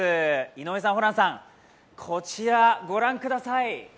井上さん、ホランさん、こちらご覧ください。